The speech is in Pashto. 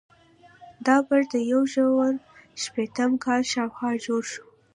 دا برج د یو زرو شپیتم کال شاوخوا جوړ شو.